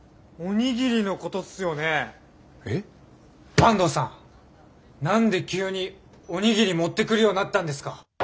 坂東さん何で急におにぎり持ってくるようになったんですか？